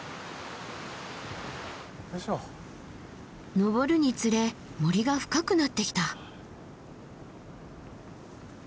登るにつれ森が深くなってきた。